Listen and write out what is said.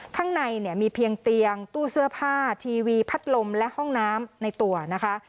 ข้างในเนี่ยมีเพียงเตียงตู้เสื้อผ้าทีวีพัดลมและห้องน้ำในตัวนะคะ